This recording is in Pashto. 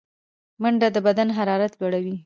منډه د بدن حرارت لوړوي